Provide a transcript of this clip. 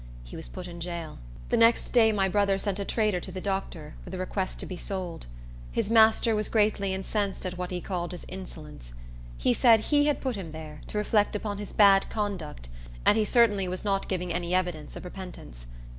He was put in jail. The next day my brother sent a trader to the doctor, with a request to be sold. His master was greatly incensed at what he called his insolence. He said he had put him there, to reflect upon his bad conduct, and he certainly was not giving any evidence of repentance.